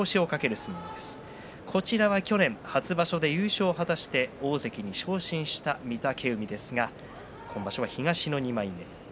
そして去年の初場所で優勝して大関昇進を果たした御嶽海ですが今場所は東の２枚目。